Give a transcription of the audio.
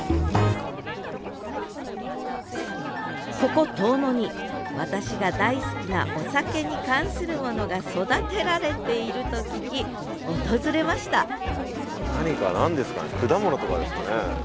ここ遠野に私が大好きなお酒に関するものが育てられていると聞き訪れました何だ？